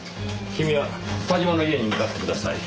君は田島の家に向かってください。